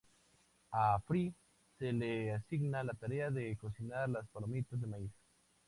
A Fry, se le asigna la tarea de cocinar las palomitas de maíz.